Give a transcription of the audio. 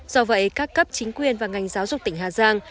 do vậy các cấp chính quyền và ngành giáo dục tỉnh hà giang